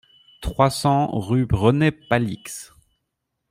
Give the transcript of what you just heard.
trois cents rue René Palix